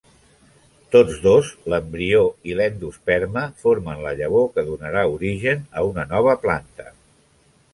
Tots dos, l'embrió i l'endosperma, formen la llavor que donarà origen a una nova planta.